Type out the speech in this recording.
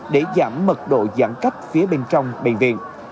để giảm mật độ giãn cách phía bên trong bệnh viện